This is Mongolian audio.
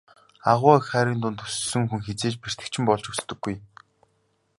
Агуу их хайрын дунд өссөн хүн хэзээ ч бэртэгчин болж өсдөггүй.